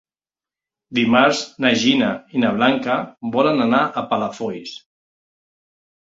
Dimarts na Gina i na Blanca volen anar a Palafolls.